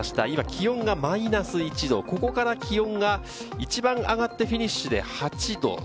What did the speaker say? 今、気温がマイナス１度、ここから気温が一番上がって、フィニッシュで８度。